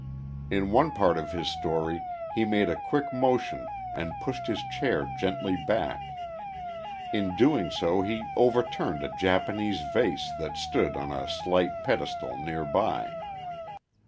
In one part of his story he made a quick motion and pushed his chair gently back. In doing so he overturned a Japanese vase that stood on a slight pedestal near by.